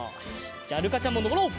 じゃあるかちゃんものぼろう！